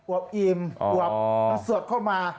วบอิ่มอวบมันสดเข้ามา